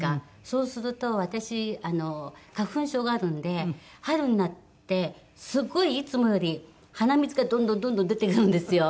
そうすると私花粉症があるんで春になってすごいいつもより鼻水がどんどんどんどん出てくるんですよ。